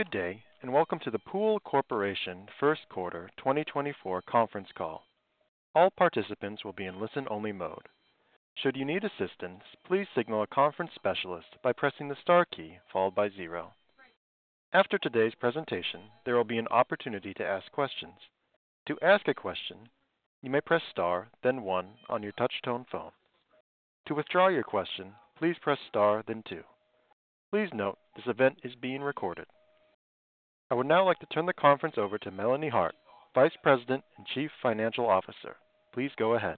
Good day, and welcome to the Pool Corporation First Quarter 2024 Conference Call. All participants will be in listen-only mode. Should you need assistance, please signal a conference specialist by pressing the star key followed by zero. After today's presentation, there will be an opportunity to ask questions. To ask a question, you may press star, then one on your touchtone phone. To withdraw your question, please press star, then two. Please note, this event is being recorded. I would now like to turn the conference over to Melanie Hart, Vice President and Chief Financial Officer. Please go ahead.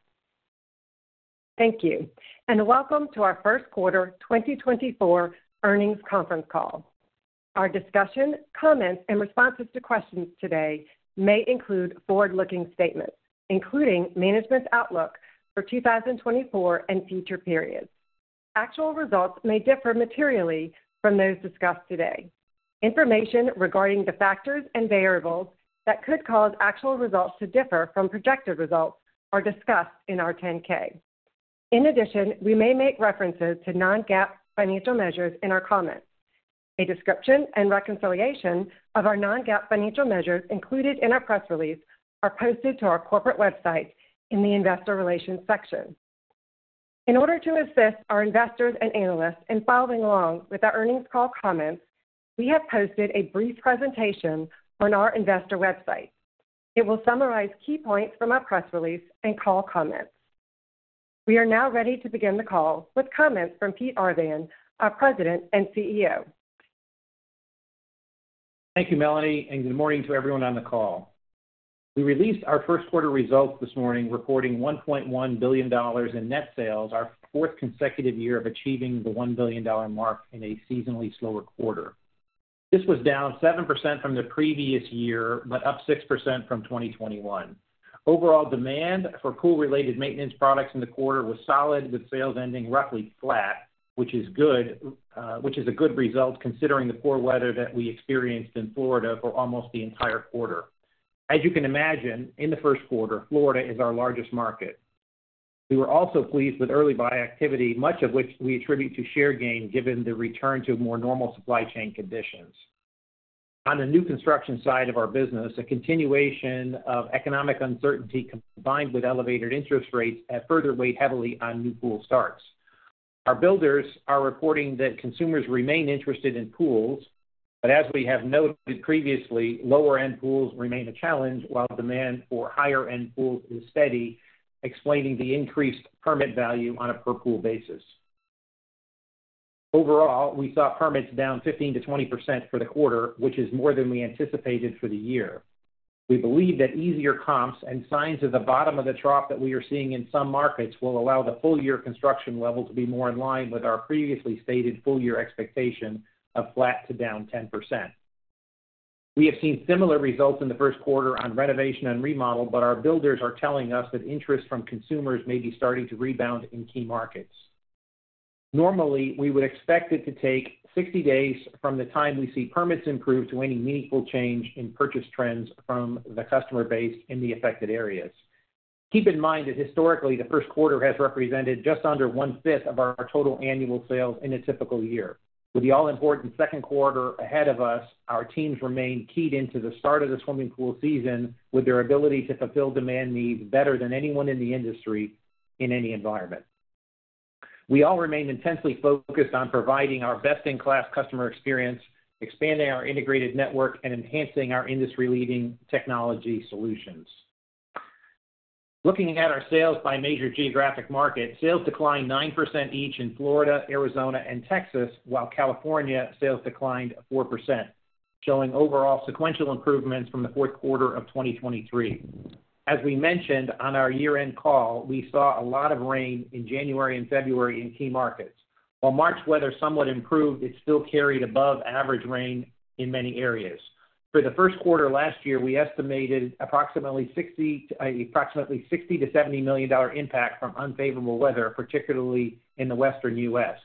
Thank you, and welcome to our first quarter 2024 earnings conference call. Our discussion, comments, and responses to questions today may include forward-looking statements, including management's outlook for 2024 and future periods. Actual results may differ materially from those discussed today. Information regarding the factors and variables that could cause actual results to differ from projected results are discussed in our 10-K. In addition, we may make references to non-GAAP financial measures in our comments. A description and reconciliation of our non-GAAP financial measures included in our press release are posted to our corporate website in the Investor Relations section. In order to assist our investors and analysts in following along with our earnings call comments, we have posted a brief presentation on our investor website. It will summarize key points from our press release and call comments. We are now ready to begin the call with comments from Pete Arvan, our President and CEO. Thank you, Melanie, and good morning to everyone on the call. We released our first quarter results this morning, reporting $1.1 billion in net sales, our fourth consecutive year of achieving the $1 billion mark in a seasonally slower quarter. This was down 7% from the previous year, but up 6% from 2021. Overall demand for pool-related maintenance products in the quarter was solid, with sales ending roughly flat, which is good, which is a good result considering the poor weather that we experienced in Florida for almost the entire quarter. As you can imagine, in the first quarter, Florida is our largest market. We were also pleased with early buy activity, much of which we attribute to share gain, given the return to more normal supply chain conditions. On the new construction side of our business, a continuation of economic uncertainty, combined with elevated interest rates, have further weighed heavily on new pool starts. Our builders are reporting that consumers remain interested in pools, but as we have noted previously, lower-end pools remain a challenge, while demand for higher-end pools is steady, explaining the increased permit value on a per-pool basis. Overall, we saw permits down 15%-20% for the quarter, which is more than we anticipated for the year. We believe that easier comps and signs of the bottom of the trough that we are seeing in some markets will allow the full-year construction level to be more in line with our previously stated full-year expectation of flat to down 10%. We have seen similar results in the first quarter on renovation and remodel, but our builders are telling us that interest from consumers may be starting to rebound in key markets. Normally, we would expect it to take 60 days from the time we see permits improve to any meaningful change in purchase trends from the customer base in the affected areas. Keep in mind that historically, the first quarter has represented just under 1/5 of our total annual sales in a typical year. With the all-important second quarter ahead of us, our teams remain keyed into the start of the swimming pool season, with their ability to fulfill demand needs better than anyone in the industry in any environment. We all remain intensely focused on providing our best-in-class customer experience, expanding our integrated network, and enhancing our industry-leading technology solutions. Looking at our sales by major geographic market, sales declined 9% each in Florida, Arizona, and Texas, while California sales declined 4%, showing overall sequential improvements from the fourth quarter of 2023. As we mentioned on our year-end call, we saw a lot of rain in January and February in key markets. While March weather somewhat improved, it still carried above average rain in many areas. For the first quarter last year, we estimated approximately $60 million-$70 million impact from unfavorable weather, particularly in the Western U.S.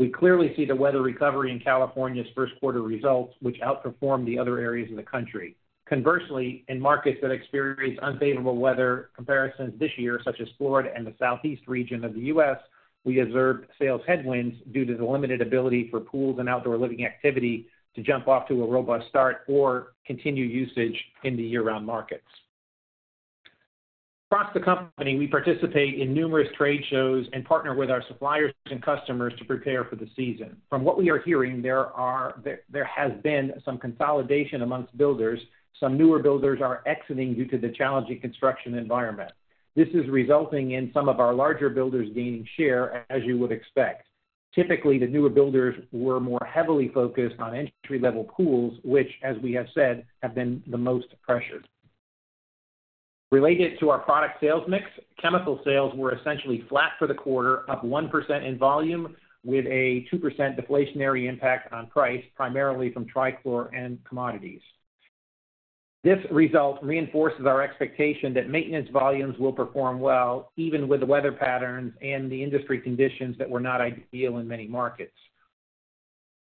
We clearly see the weather recovery in California's first quarter results, which outperformed the other areas in the country. Conversely, in markets that experienced unfavorable weather comparisons this year, such as Florida and the Southeast region of the U.S., we observed sales headwinds due to the limited ability for pools and outdoor living activity to jump off to a robust start or continue usage in the year-round markets. Across the company, we participate in numerous trade shows and partner with our suppliers and customers to prepare for the season. From what we are hearing, there has been some consolidation amongst builders. Some newer builders are exiting due to the challenging construction environment. This is resulting in some of our larger builders gaining share, as you would expect. Typically, the newer builders were more heavily focused on entry-level pools, which, as we have said, have been the most pressured. Related to our product sales mix, chemical sales were essentially flat for the quarter, up 1% in volume, with a 2% deflationary impact on price, primarily from trichlor and commodities. This result reinforces our expectation that maintenance volumes will perform well, even with the weather patterns and the industry conditions that were not ideal in many markets.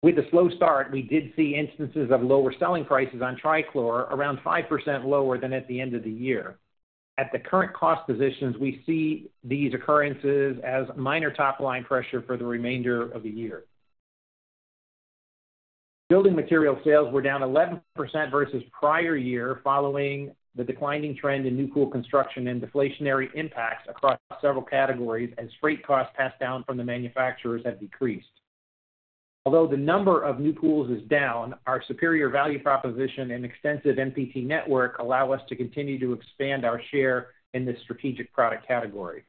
With a slow start, we did see instances of lower selling prices on trichlor, around 5% lower than at the end of the year. At the current cost positions, we see these occurrences as minor top-line pressure for the remainder of the year. Building material sales were down 11% versus prior year, following the declining trend in new pool construction and deflationary impacts across several categories, as freight costs passed down from the manufacturers have decreased. Although the number of new pools is down, our superior value proposition and extensive NPT network allow us to continue to expand our share in this strategic product category.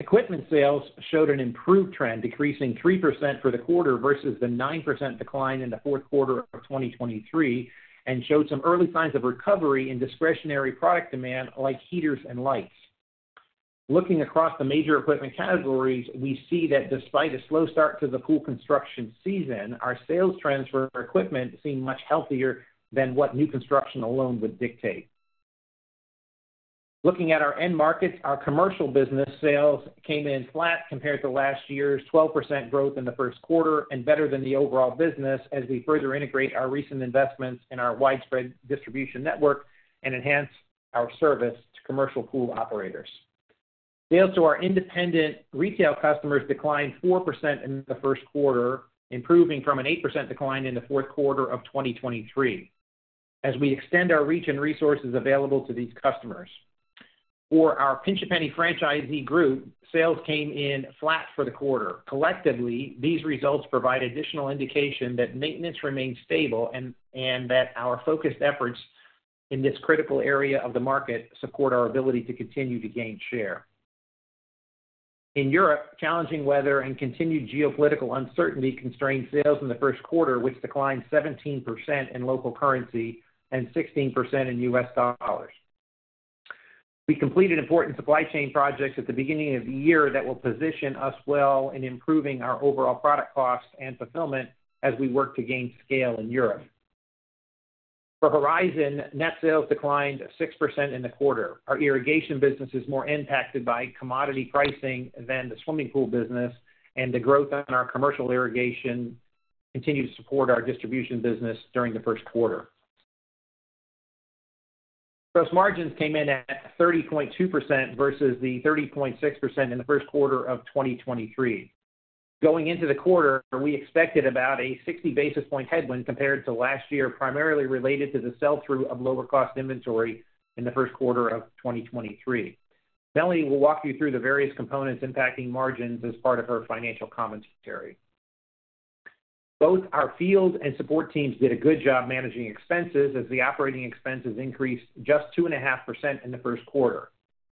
Equipment sales showed an improved trend, decreasing 3% for the quarter versus the 9% decline in the fourth quarter of 2023, and showed some early signs of recovery in discretionary product demand, like heaters and lights. Looking across the major equipment categories, we see that despite a slow start to the pool construction season, our sales transfer equipment seem much healthier than what new construction alone would dictate. Looking at our end markets, our commercial business sales came in flat compared to last year's 12% growth in the first quarter, and better than the overall business as we further integrate our recent investments in our widespread distribution network and enhance our service to commercial pool operators. Sales to our independent retail customers declined 4% in the first quarter, improving from an 8% decline in the fourth quarter of 2023, as we extend our reach and resources available to these customers. For our Pinch A Penny franchisee group, sales came in flat for the quarter. Collectively, these results provide additional indication that maintenance remains stable and that our focused efforts in this critical area of the market support our ability to continue to gain share. In Europe, challenging weather and continued geopolitical uncertainty constrained sales in the first quarter, which declined 17% in local currency and 16% in U.S. dollars. We completed important supply chain projects at the beginning of the year that will position us well in improving our overall product costs and fulfillment as we work to gain scale in Europe. For Horizon, net sales declined 6% in the quarter. Our irrigation business is more impacted by commodity pricing than the swimming pool business, and the growth on our commercial irrigation continued to support our distribution business during the first quarter. Gross margins came in at 30.2% versus the 30.6% in the first quarter of 2023. Going into the quarter, we expected about a 60 basis point headwind compared to last year, primarily related to the sell-through of lower-cost inventory in the first quarter of 2023. Melanie will walk you through the various components impacting margins as part of her financial commentary. Both our field and support teams did a good job managing expenses, as the operating expenses increased just 2.5% in the first quarter.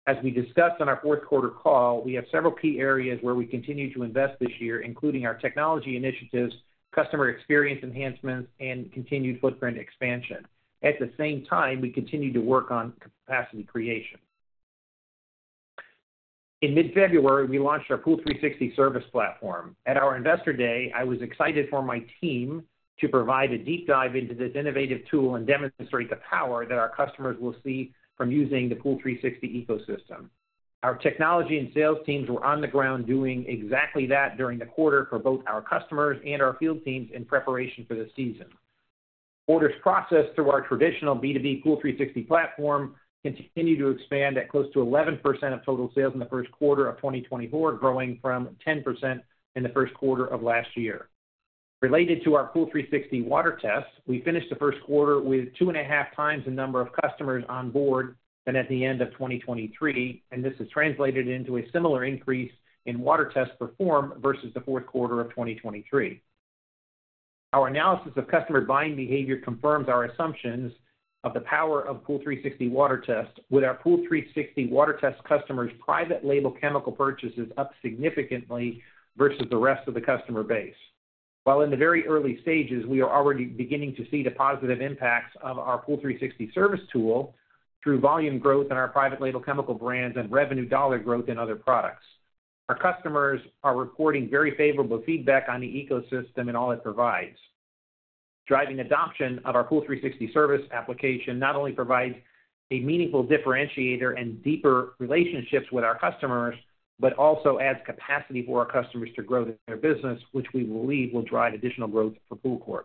As we discussed on our fourth quarter call, we have several key areas where we continue to invest this year, including our technology initiatives, customer experience enhancements, and continued footprint expansion. At the same time, we continue to work on capacity creation. In mid-February, we launched our POOL360 service platform. At our Investor Day, I was excited for my team to provide a deep dive into this innovative tool and demonstrate the power that our customers will see from using the POOL360 ecosystem. Our technology and sales teams were on the ground doing exactly that during the quarter for both our customers and our field teams in preparation for the season. Orders processed through our traditional B2B POOL360 platform continued to expand at close to 11% of total sales in the first quarter of 2024, growing from 10% in the first quarter of last year. Related to our POOL360 WaterTest, we finished the first quarter with 2.5 times the number of customers on board than at the end of 2023, and this has translated into a similar increase in water tests performed versus the fourth quarter of 2023. Our analysis of customer buying behavior confirms our assumptions of the power of POOL360 WaterTest, with our POOL360 WaterTest customers' private label chemical purchases up significantly versus the rest of the customer base. While in the very early stages, we are already beginning to see the positive impacts of our Pool360 service tool through volume growth in our private label chemical brands and revenue dollar growth in other products. Our customers are reporting very favorable feedback on the ecosystem and all it provides. Driving adoption of our Pool360 service application not only provides a meaningful differentiator and deeper relationships with our customers, but also adds capacity for our customers to grow their business, which we believe will drive additional growth for PoolCorp.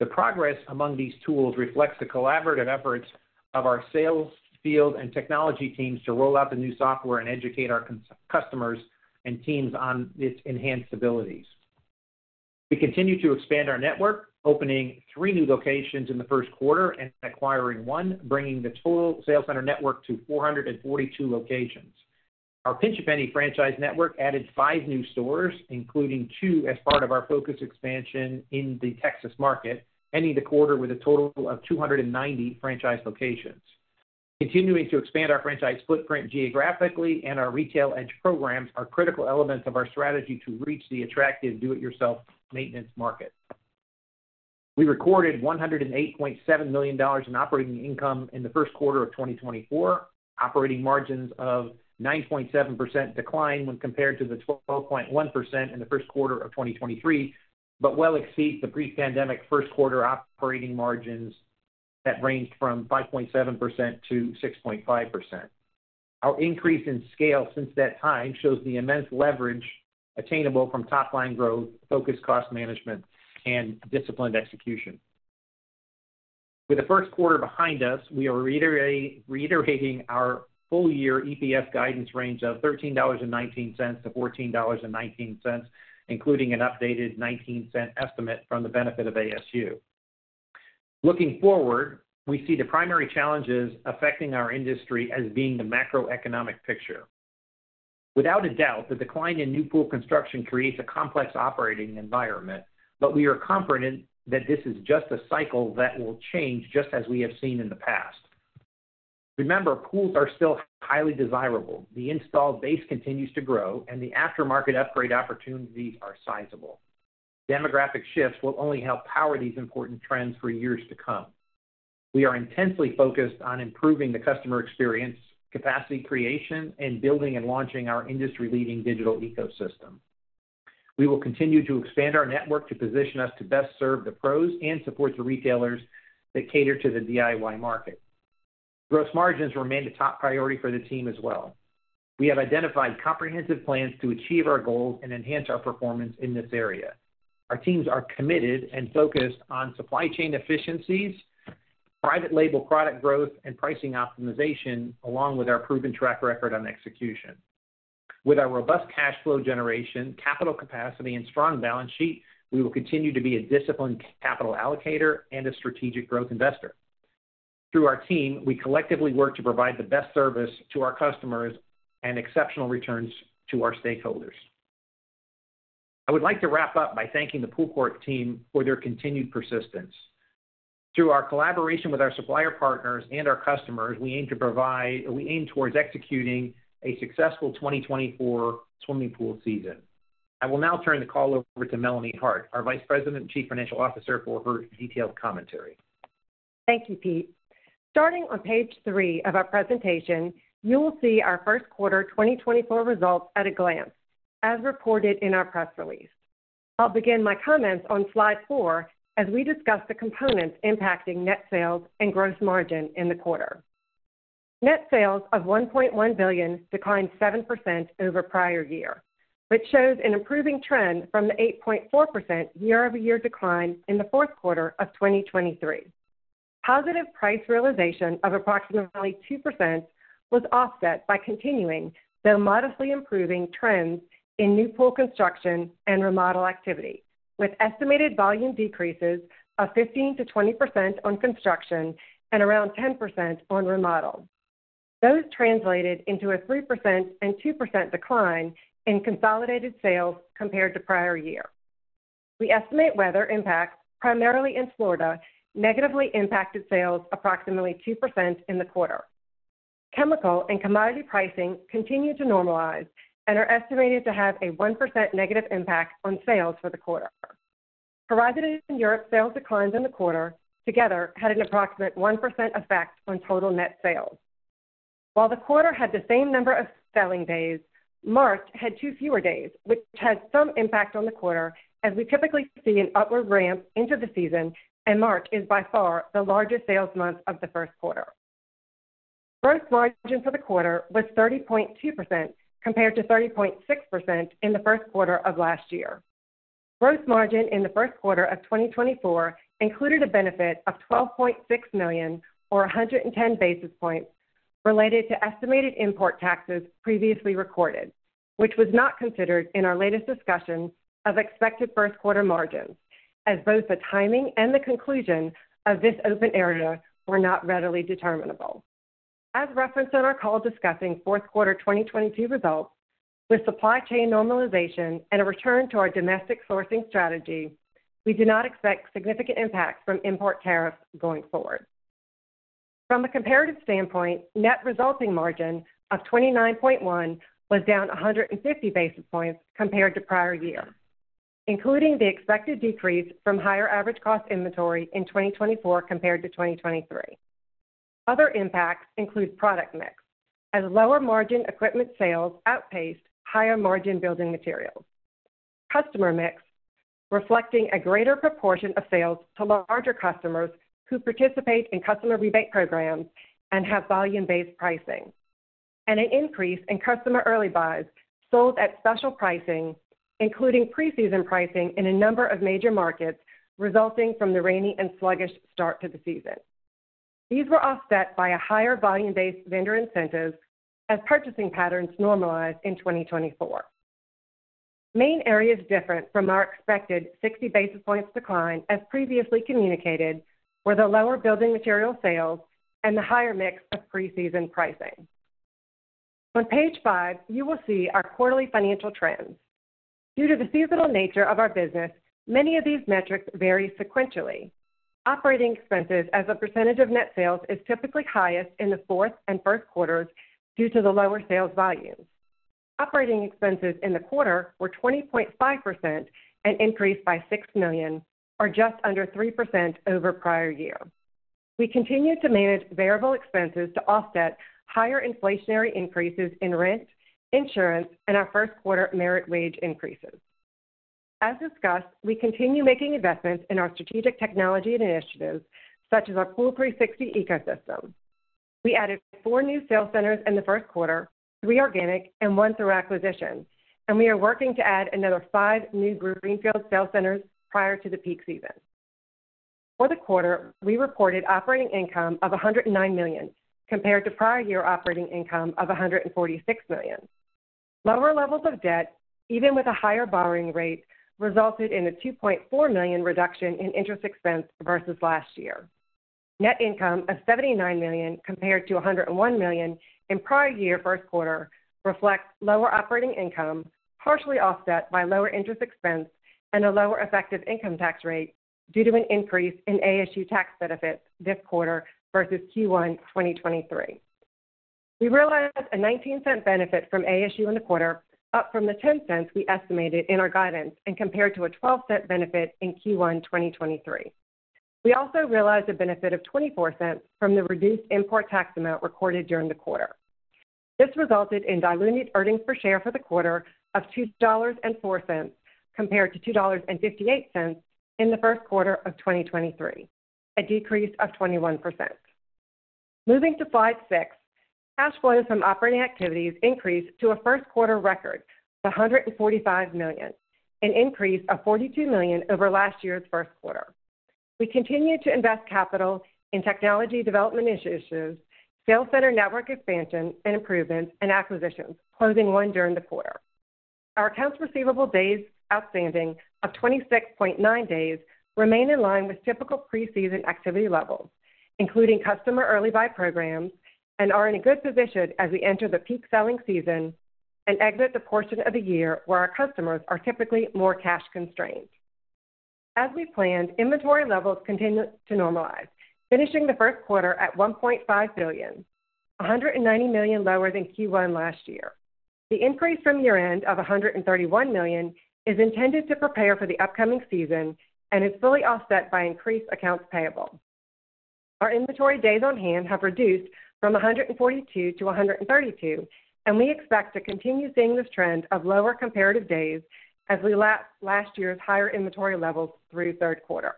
The progress among these tools reflects the collaborative efforts of our sales, field, and technology teams to roll out the new software and educate our customers and teams on its enhanced abilities. We continue to expand our network, opening three new locations in the first quarter and acquiring one, bringing the total sales center network to 442 locations. Our Pinch A Penny franchise network added five new stores, including two as part of our focus expansion in the Texas market, ending the quarter with a total of 290 franchise locations. Continuing to expand our franchise footprint geographically and our retail edge programs are critical elements of our strategy to reach the attractive do-it-yourself maintenance market. We recorded $108.7 million in operating income in the first quarter of 2024. Operating margins of 9.7% decline when compared to the 12.1% in the first quarter of 2023, but well exceeds the pre-pandemic first quarter operating margins that ranged from 5.7%-6.5%.... Our increase in scale since that time shows the immense leverage attainable from top-line growth, focused cost management, and disciplined execution. With the first quarter behind us, we are reiterating our full-year EPS guidance range of $13.19-$14.19, including an updated $0.19 estimate from the benefit of ASU. Looking forward, we see the primary challenges affecting our industry as being the macroeconomic picture. Without a doubt, the decline in new pool construction creates a complex operating environment, but we are confident that this is just a cycle that will change, just as we have seen in the past. Remember, pools are still highly desirable. The installed base continues to grow, and the aftermarket upgrade opportunities are sizable. Demographic shifts will only help power these important trends for years to come. We are intensely focused on improving the customer experience, capacity creation, and building and launching our industry-leading digital ecosystem. We will continue to expand our network to position us to best serve the pros and support the retailers that cater to the DIY market. Gross margins remain a top priority for the team as well. We have identified comprehensive plans to achieve our goals and enhance our performance in this area. Our teams are committed and focused on supply chain efficiencies, private label product growth, and pricing optimization, along with our proven track record on execution. With our robust cash flow generation, capital capacity, and strong balance sheet, we will continue to be a disciplined capital allocator and a strategic growth investor. Through our team, we collectively work to provide the best service to our customers and exceptional returns to our stakeholders. I would like to wrap up by thanking the PoolCorp team for their continued persistence. Through our collaboration with our supplier partners and our customers, we aim towards executing a successful 2024 swimming pool season. I will now turn the call over to Melanie Hart, our Vice President and Chief Financial Officer, for her detailed commentary. Thank you, Pete. Starting on page three of our presentation, you will see our first quarter 2024 results at a glance, as reported in our press release. I'll begin my comments on slide four, as we discuss the components impacting net sales and gross margin in the quarter. Net sales of $1.1 billion declined 7% over prior year, which shows an improving trend from the 8.4% year-over-year decline in the fourth quarter of 2023. Positive price realization of approximately 2% was offset by continuing, though modestly improving, trends in new pool construction and remodel activity, with estimated volume decreases of 15%-20% on construction and around 10% on remodel. Those translated into a 3% and 2% decline in consolidated sales compared to prior year. We estimate weather impacts, primarily in Florida, negatively impacted sales approximately 2% in the quarter. Chemical and commodity pricing continue to normalize and are estimated to have a 1% negative impact on sales for the quarter. Horizon in Europe sales declines in the quarter together had an approximate 1% effect on total net sales. While the quarter had the same number of selling days, March had two fewer days, which had some impact on the quarter, as we typically see an upward ramp into the season, and March is by far the largest sales month of the first quarter. Gross margin for the quarter was 30.2%, compared to 30.6% in the first quarter of last year. Gross margin in the first quarter of 2024 included a benefit of $12.6 million, or 110 basis points, related to estimated import taxes previously recorded, which was not considered in our latest discussion of expected first quarter margins, as both the timing and the conclusion of this open area were not readily determinable. As referenced on our call discussing fourth quarter 2022 results, with supply chain normalization and a return to our domestic sourcing strategy, we do not expect significant impacts from import tariffs going forward. From a comparative standpoint, net resulting margin of 29.1 was down 150 basis points compared to prior year, including the expected decrease from higher average cost inventory in 2024 compared to 2023. Other impacts include product mix, as lower margin equipment sales outpaced higher margin building materials. Customer mix, reflecting a greater proportion of sales to larger customers who participate in customer rebate programs and have volume-based pricing, and an increase in customer early buys sold at special pricing, including preseason pricing in a number of major markets, resulting from the rainy and sluggish start to the season. These were offset by a higher volume-based vendor incentives as purchasing patterns normalized in 2024. Main areas different from our expected 60 basis points decline, as previously communicated, were the lower building material sales and the higher mix of preseason pricing. On page five, you will see our quarterly financial trends. Due to the seasonal nature of our business, many of these metrics vary sequentially. Operating expenses as a percentage of net sales is typically highest in the fourth and first quarters due to the lower sales volumes. Operating expenses in the quarter were 20.5%, an increase by $6 million, or just under 3% over prior year. We continue to manage variable expenses to offset higher inflationary increases in rent, insurance, and our first quarter merit wage increases. As discussed, we continue making investments in our strategic technology initiatives, such as our Pool360 ecosystem. We added four new sales centers in the first quarter, three organic and one through acquisition, and we are working to add another five new greenfield sales centers prior to the peak season. For the quarter, we reported operating income of $109 million, compared to prior year operating income of $146 million. Lower levels of debt, even with a higher borrowing rate, resulted in a $2.4 million reduction in interest expense versus last year. Net income of $79 million, compared to $101 million in prior year first quarter, reflects lower operating income, partially offset by lower interest expense and a lower effective income tax rate due to an increase in ASU tax benefits this quarter versus Q1 2023. We realized a $0.19 benefit from ASU in the quarter, up from the $0.10 we estimated in our guidance, and compared to a $0.12 benefit in Q1 2023. We also realized a benefit of $0.24 from the reduced import tax amount recorded during the quarter. This resulted in diluted EPS for the quarter of $2.04, compared to $2.58 in the first quarter of 2023, a decrease of 21%. Moving to slide six. Cash flows from operating activities increased to a first quarter record of $145 million, an increase of $42 million over last year's first quarter. We continue to invest capital in technology development initiatives, sales center network expansion and improvements, and acquisitions, closing one during the quarter. Our accounts receivable days outstanding of 26.9 days remain in line with typical preseason activity levels, including customer early buy programs, and are in a good position as we enter the peak selling season and exit the portion of the year where our customers are typically more cash constrained. As we planned, inventory levels continued to normalize, finishing the first quarter at $1.5 billion, $190 million lower than Q1 last year. The increase from year-end of $131 million is intended to prepare for the upcoming season and is fully offset by increased accounts payable. Our inventory days on hand have reduced from 142 to 132, and we expect to continue seeing this trend of lower comparative days as we lap last year's higher inventory levels through third quarter.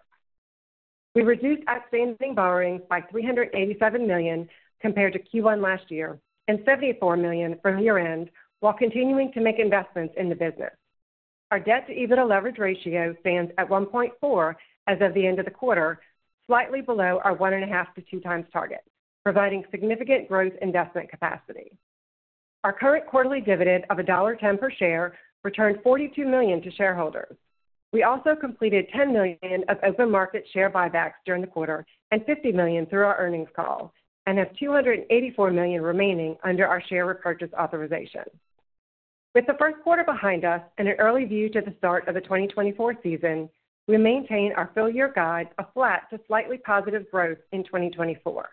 We reduced outstanding borrowing by $387 million compared to Q1 last year, and $74 million from year-end, while continuing to make investments in the business. Our debt to EBITDA leverage ratio stands at 1.4 as of the end of the quarter, slightly below our 1.5-2 times target, providing significant growth investment capacity. Our current quarterly dividend of $1.10 per share returned $42 million to shareholders. We also completed $10 million of open market share buybacks during the quarter and $50 million through our earnings call, and have $284 million remaining under our share repurchase authorization. With the first quarter behind us and an early view to the start of the 2024 season, we maintain our full year guide of flat to slightly positive growth in 2024.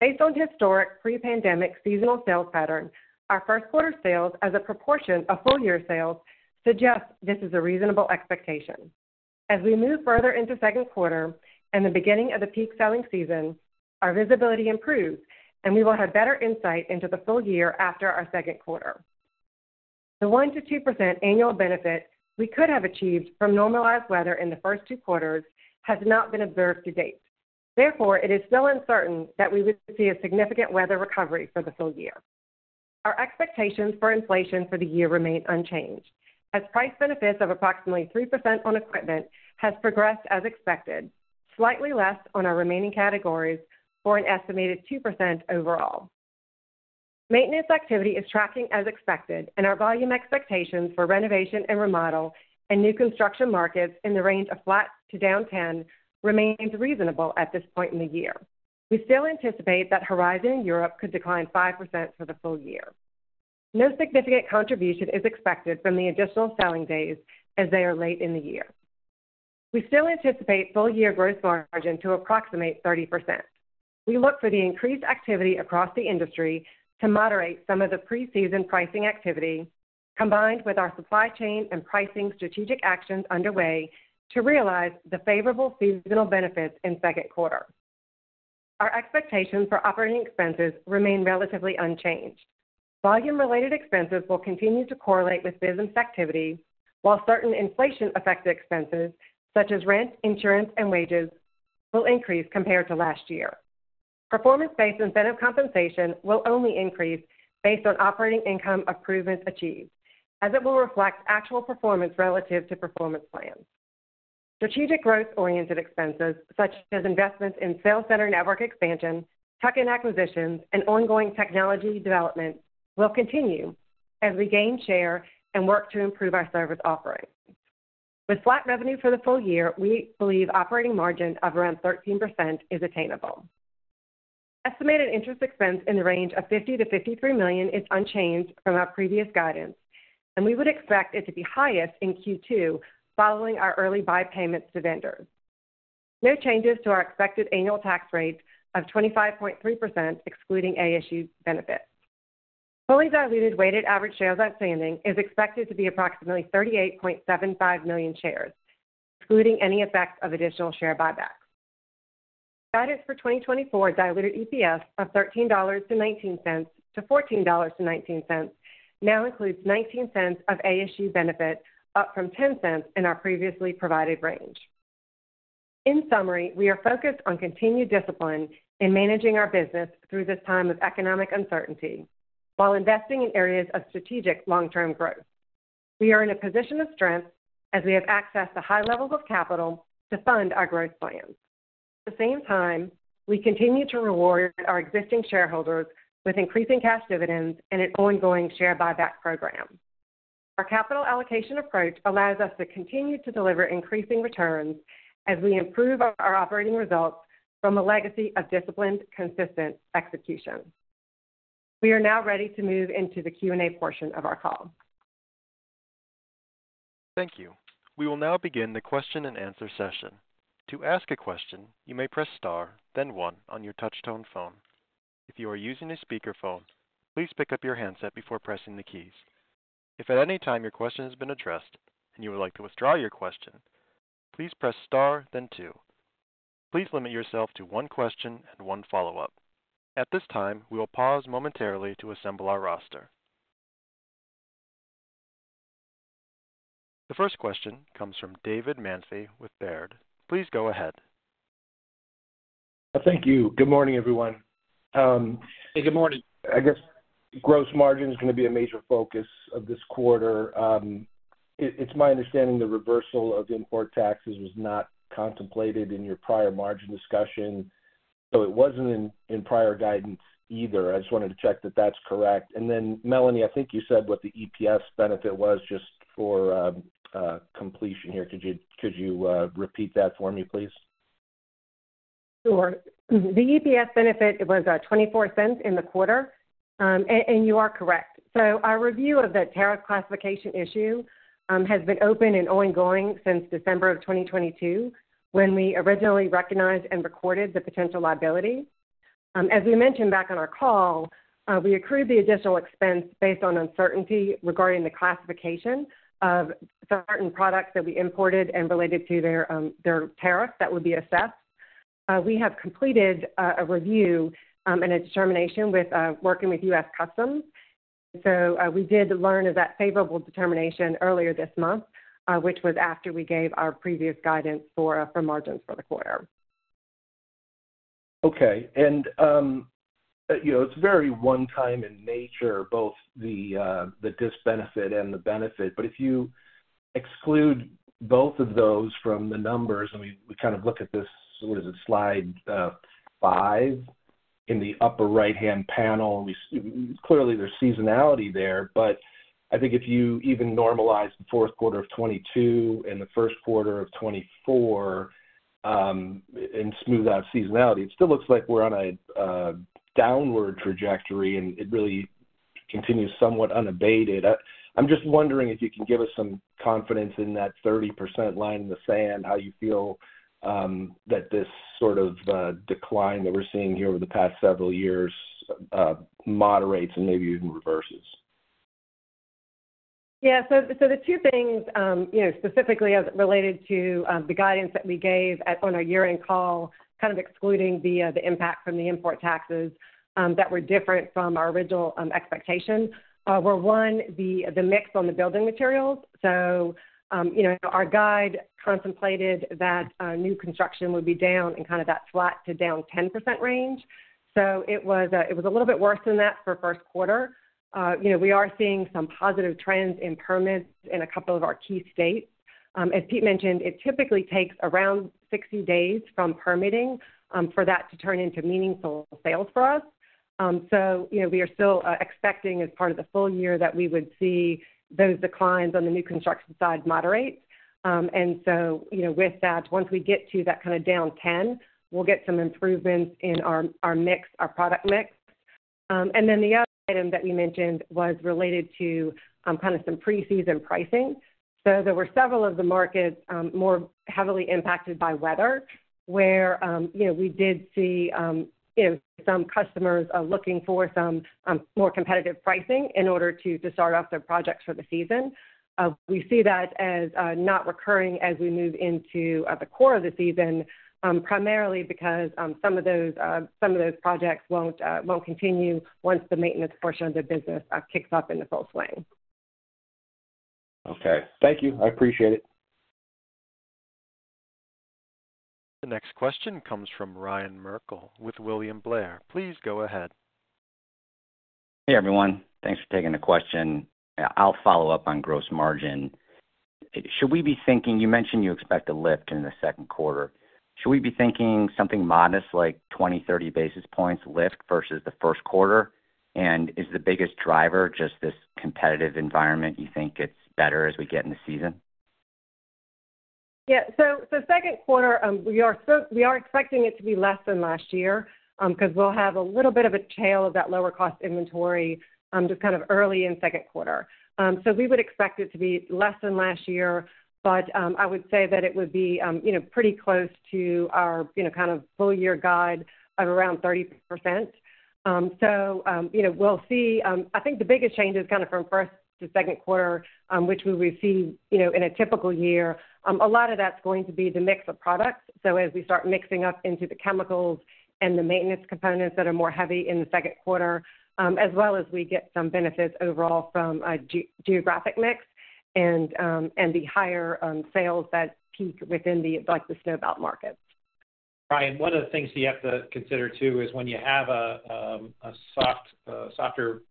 Based on historic pre-pandemic seasonal sales patterns, our first quarter sales as a proportion of full-year sales suggest this is a reasonable expectation. As we move further into second quarter and the beginning of the peak selling season, our visibility improves, and we will have better insight into the full year after our second quarter. The 1%-2% annual benefit we could have achieved from normalized weather in the first two quarters has not been observed to date. Therefore, it is still uncertain that we would see a significant weather recovery for the full year. Our expectations for inflation for the year remain unchanged, as price benefits of approximately 3% on equipment has progressed as expected, slightly less on our remaining categories for an estimated 2% overall. Maintenance activity is tracking as expected, and our volume expectations for renovation and remodel and new construction markets in the range of flat to down 10% remains reasonable at this point in the year. We still anticipate that Horizon Europe could decline 5% for the full year. No significant contribution is expected from the additional selling days, as they are late in the year. We still anticipate full-year gross margin to approximate 30%. We look for the increased activity across the industry to moderate some of the preseason pricing activity, combined with our supply chain and pricing strategic actions underway to realize the favorable seasonal benefits in second quarter. Our expectations for operating expenses remain relatively unchanged. Volume-related expenses will continue to correlate with business activity, while certain inflation-affected expenses, such as rent, insurance, and wages, will increase compared to last year. Performance-based incentive compensation will only increase based on operating income improvements achieved, as it will reflect actual performance relative to performance plans. Strategic growth-oriented expenses, such as investments in sales center network expansion, tuck-in acquisitions, and ongoing technology development, will continue as we gain share and work to improve our service offerings. With flat revenue for the full year, we believe operating margin of around 13% is attainable. Estimated interest expense in the range of $50 million-$53 million is unchanged from our previous guidance, and we would expect it to be highest in Q2, following our early buy payments to vendors. No changes to our expected annual tax rate of 25.3%, excluding ASU benefits. Fully diluted weighted average shares outstanding is expected to be approximately 38.75 million shares, excluding any effects of additional share buybacks.... guidance for 2024 diluted EPS of $13.19-$14.19 now includes $0.19 of ASU benefit, up from $0.10 in our previously provided range. In summary, we are focused on continued discipline in managing our business through this time of economic uncertainty, while investing in areas of strategic long-term growth. We are in a position of strength as we have access to high levels of capital to fund our growth plans. At the same time, we continue to reward our existing shareholders with increasing cash dividends and an ongoing share buyback program. Our capital allocation approach allows us to continue to deliver increasing returns as we improve our operating results from a legacy of disciplined, consistent execution. We are now ready to move into the Q&A portion of our call. Thank you. We will now begin the question-and-answer session. To ask a question, you may press star, then one on your touchtone phone. If you are using a speakerphone, please pick up your handset before pressing the keys. If at any time your question has been addressed and you would like to withdraw your question, please press star, then two. Please limit yourself to one question and one follow-up. At this time, we will pause momentarily to assemble our roster. The first question comes from David Manthey with Baird. Please, go ahead. Thank you. Good morning, everyone. Good morning. I guess gross margin is going to be a major focus of this quarter. It's my understanding the reversal of the import taxes was not contemplated in your prior margin discussion, so it wasn't in prior guidance either. I just wanted to check that that's correct. And then, Melanie, I think you said what the EPS benefit was just for completion here. Could you repeat that for me, please? Sure. The EPS benefit, it was $0.24 in the quarter. And you are correct. So our review of the tariff classification issue has been open and ongoing since December of 2022, when we originally recognized and recorded the potential liability. As we mentioned back on our call, we accrued the additional expense based on uncertainty regarding the classification of certain products that we imported and related to their tariff that would be assessed. We have completed a review and a determination, working with U.S. Customs. So, we did learn of that favorable determination earlier this month, which was after we gave our previous guidance for margins for the quarter. Okay. And, you know, it's very one-time in nature, both the disbenefit and the benefit. But if you exclude both of those from the numbers, and we kind of look at this, what is it? Slide five. In the upper right-hand panel, we clearly, there's seasonality there, but I think if you even normalize the fourth quarter of 2022 and the first quarter of 2024, and smooth out seasonality, it still looks like we're on a downward trajectory, and it really continues somewhat unabated. I'm just wondering if you can give us some confidence in that 30% line in the sand, how you feel that this sort of decline that we're seeing here over the past several years moderates and maybe even reverses. Yeah. So the two things, you know, specifically as it related to the guidance that we gave at, on our year-end call, kind of excluding the impact from the import taxes that were different from our original expectations, were one, the mix on the building materials. So you know, our guide contemplated that new construction would be down in kind of that flat to down 10% range. So it was a little bit worse than that for first quarter. You know, we are seeing some positive trends in permits in a couple of our key states. As Pete mentioned, it typically takes around 60 days from permitting for that to turn into meaningful sales for us. So you know, we are still expecting as part of the full year that we would see those declines on the new construction side moderate. And so, you know, with that, once we get to that kind of down 10, we'll get some improvements in our mix, our product mix. And then the other item that you mentioned was related to kind of some preseason pricing. So there were several of the markets more heavily impacted by weather, where you know, we did see you know, some customers looking for some more competitive pricing in order to start off their projects for the season. We see that as not recurring as we move into the core of the season, primarily because some of those projects won't continue once the maintenance portion of the business kicks up into full swing. Okay. Thank you. I appreciate it. The next question comes from Ryan Merkel with William Blair. Please go ahead. Hey, everyone. Thanks for taking the question. I'll follow up on gross margin. Should we be thinking... You mentioned you expect a lift in the second quarter. Should we be thinking something modest, like 20, 30 basis points lift versus the first quarter? And is the biggest driver just this competitive environment, you think it's better as we get in the season? Yeah. So, second quarter, we are expecting it to be less than last year, because we'll have a little bit of a tail of that lower cost inventory, just kind of early in second quarter. So we would expect it to be less than last year, but, I would say that it would be, you know, pretty close to our, you know, kind of full year guide of around 30%. So, you know, we'll see. I think the biggest change is kind of from first to second quarter, which we would see, you know, in a typical year. A lot of that's going to be the mix of products. So as we start mixing up into the chemicals and the maintenance components that are more heavy in the second quarter, as well as we get some benefits overall from a geographic mix and, and the higher sales that peak within the, like, the snow belt markets. Ryan, one of the things you have to consider, too, is when you have a softer first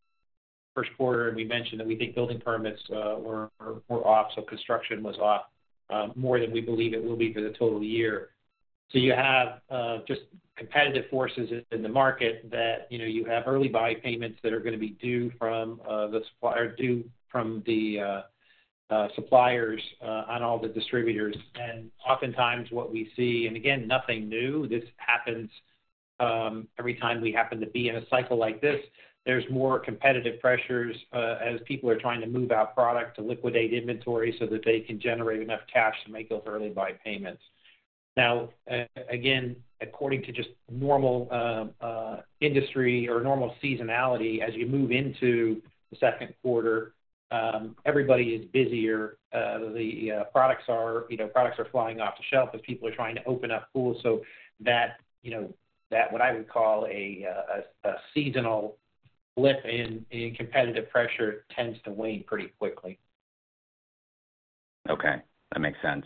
quarter, and we mentioned that we think building permits were off, so construction was off, more than we believe it will be for the total year. So you have just competitive forces in the market that, you know, you have early buy payments that are gonna be due from the supplier, due from the suppliers, on all the distributors. And oftentimes what we see, and again, nothing new, this happens, every time we happen to be in a cycle like this, there's more competitive pressures, as people are trying to move out product to liquidate inventory so that they can generate enough cash to make those early buy payments. Now, again, according to just normal, industry or normal seasonality, as you move into the second quarter, everybody is busier. The products are, you know, products are flying off the shelf as people are trying to open up pools. So that, you know, that what I would call a seasonal blip in competitive pressure tends to wane pretty quickly. Okay, that makes sense.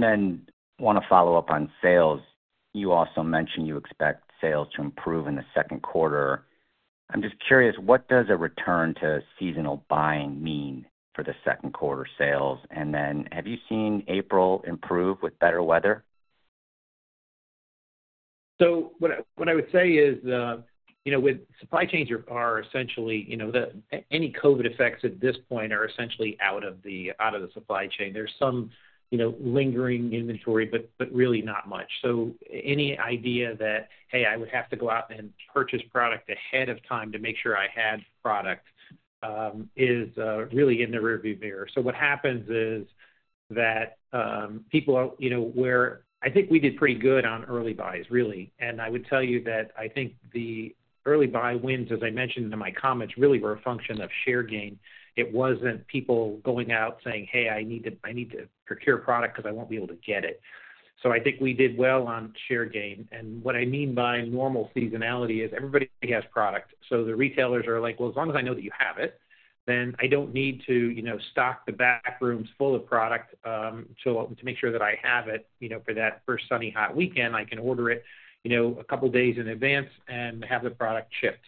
Then want to follow up on sales. You also mentioned you expect sales to improve in the second quarter. I'm just curious, what does a return to seasonal buying mean for the second quarter sales? And then have you seen April improve with better weather? So what I would say is, you know, with supply chains are essentially, you know, the any COVID effects at this point are essentially out out of the supply chain. There's some, you know, lingering inventory, but really not much. So any idea that, "Hey, I would have to go out and purchase product ahead of time to make sure I had product," is really in the rearview mirror. So what happens is that, people, you know, I think we did pretty good on early buys, really. And I would tell you that I think the early buy wins, as I mentioned in my comments, really were a function of share gain. It wasn't people going out saying, "Hey, I need to, I need to procure product because I won't be able to get it." So I think we did well on share gain. And what I mean by normal seasonality is everybody has product. So the retailers are like, "Well, as long as I know that you have it, then I don't need to, you know, stock the back rooms full of product, so to make sure that I have it, you know, for that first sunny, hot weekend. I can order it, you know, a couple days in advance and have the product shipped."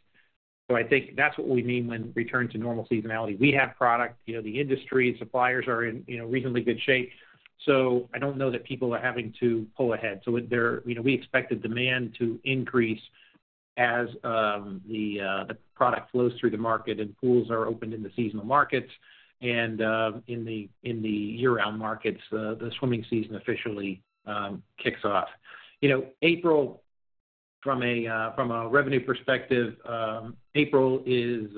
So I think that's what we mean when return to normal seasonality. We have product, you know, the industry and suppliers are in, you know, reasonably good shape, so I don't know that people are having to pull ahead. So there, you know, we expect the demand to increase as the product flows through the market and pools are opened in the seasonal markets. And in the year-round markets, the swimming season officially kicks off. You know, April from a revenue perspective, April is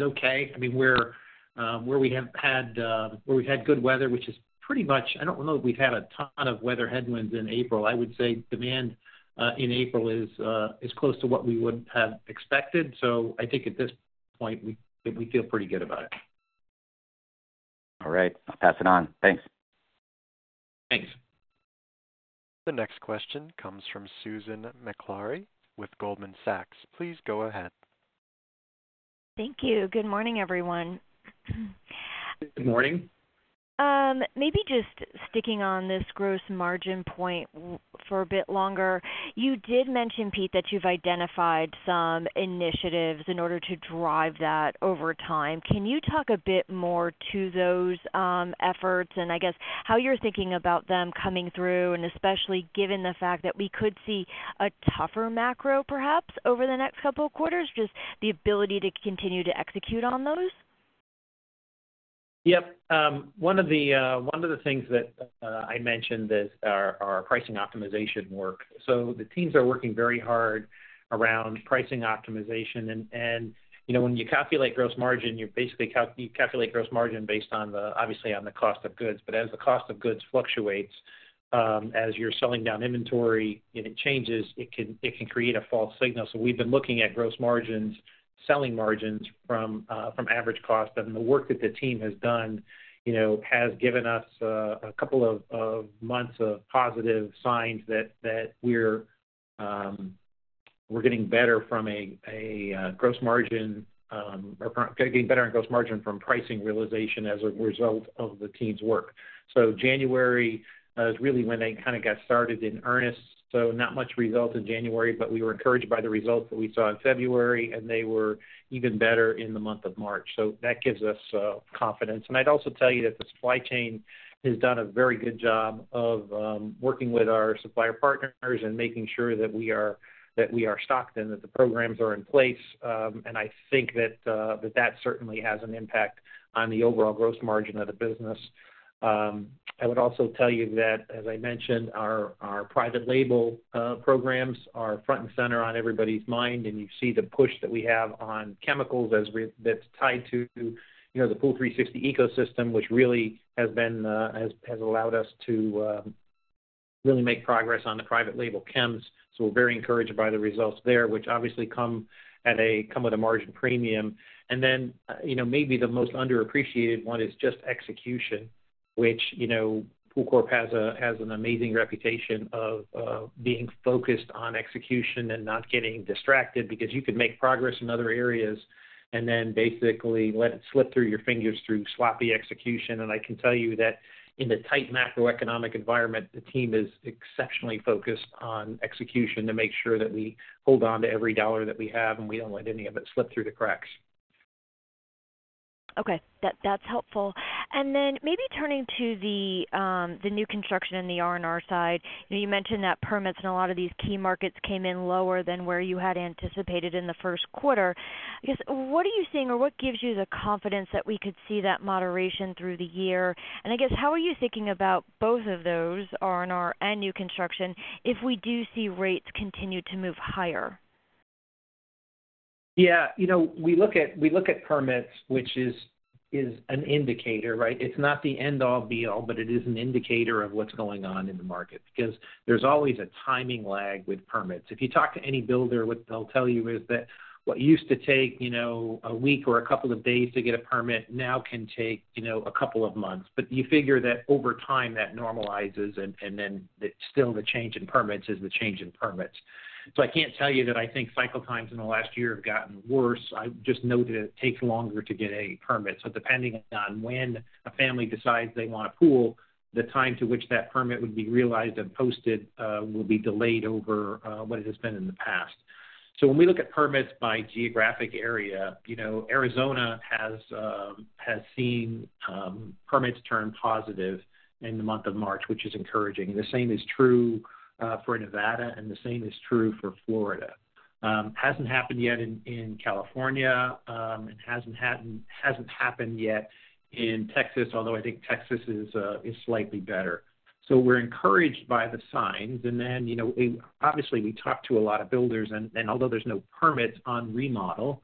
okay. I mean, we're where we've had good weather, which is pretty much, I don't know that we've had a ton of weather headwinds in April. I would say demand in April is close to what we would have expected. So I think at this point, we feel pretty good about it. All right. I'll pass it on. Thanks. Thanks. The next question comes from Susan Maklari with Goldman Sachs. Please go ahead. Thank you. Good morning, everyone. Good morning. Maybe just sticking on this gross margin point for a bit longer. You did mention, Pete, that you've identified some initiatives in order to drive that over time. Can you talk a bit more to those efforts and I guess, how you're thinking about them coming through, and especially given the fact that we could see a tougher macro, perhaps, over the next couple of quarters, just the ability to continue to execute on those? Yep. One of the things that I mentioned is our pricing optimization work. So the teams are working very hard around pricing optimization. And you know, when you calculate gross margin, you basically calculate gross margin based on the, obviously, on the cost of goods. But as the cost of goods fluctuates, as you're selling down inventory and it changes, it can create a false signal. So we've been looking at gross margins, selling margins from average cost. And the work that the team has done, you know, has given us a couple of months of positive signs that we're getting better from a gross margin or getting better in gross margin from pricing realization as a result of the team's work. So January is really when they kind of got started in earnest, so not much result in January. But we were encouraged by the results that we saw in February, and they were even better in the month of March. So that gives us confidence. And I'd also tell you that the supply chain has done a very good job of working with our supplier partners and making sure that we are, that we are stocked and that the programs are in place. And I think that that that certainly has an impact on the overall gross margin of the business. I would also tell you that, as I mentioned, our private label programs are front and center on everybody's mind, and you see the push that we have on chemicals as we, that's tied to, you know, the Pool360 ecosystem, which really has been, has allowed us to really make progress on the private label chems. So we're very encouraged by the results there, which obviously come at a, come with a margin premium. And then, you know, maybe the most underappreciated one is just execution, which, you know, PoolCorp has a, has an amazing reputation of being focused on execution and not getting distracted, because you could make progress in other areas and then basically let it slip through your fingers through sloppy execution. I can tell you that in the tight macroeconomic environment, the team is exceptionally focused on execution to make sure that we hold on to every dollar that we have, and we don't let any of it slip through the cracks. Okay, that, that's helpful. And then maybe turning to the new construction in the R&R side. You mentioned that permits in a lot of these key markets came in lower than where you had anticipated in the first quarter. I guess, what are you seeing, or what gives you the confidence that we could see that moderation through the year? And I guess, how are you thinking about both of those, R&R and new construction, if we do see rates continue to move higher? Yeah, you know, we look at, we look at permits, which is, is an indicator, right? It's not the end-all be-all, but it is an indicator of what's going on in the market, because there's always a timing lag with permits. If you talk to any builder, what they'll tell you is that what used to take, you know, a week or a couple of days to get a permit now can take, you know, a couple of months. But you figure that over time, that normalizes, and, and then still the change in permits is the change in permits. So I can't tell you that I think cycle times in the last year have gotten worse. I just know that it takes longer to get a permit. So depending on when a family decides they want a pool, the time to which that permit would be realized and posted will be delayed over what it has been in the past. So when we look at permits by geographic area, you know, Arizona has seen permits turn positive in the month of March, which is encouraging. The same is true for Nevada, and the same is true for Florida. Hasn't happened yet in California, and hasn't happened yet in Texas, although I think Texas is slightly better. So we're encouraged by the signs. And then, you know, obviously, we talk to a lot of builders, and although there's no permits on remodel,